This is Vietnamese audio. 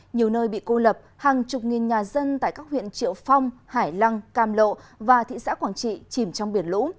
nhiều nơi bị cô lập hàng chục nghìn nhà dân tại các huyện triệu phong hải lăng càm lộ và thị xã quảng trị chìm trong biển lũ